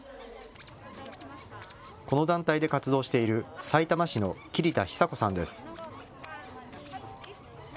この団体で活動しているさいたま市の桐田寿子さんです。